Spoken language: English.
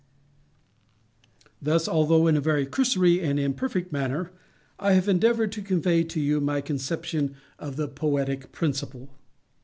Thus, although in a very cursory and imperfect manner, I have endeavored to convey to you my conception of the Poetic Principle.